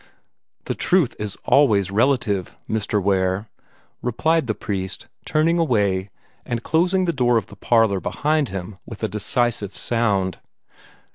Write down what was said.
"The truth is always relative, Mr. Ware," replied the priest, turning away, and closing the door of the parlor behind him with a decisive sound.